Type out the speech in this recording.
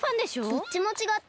どっちもちがった。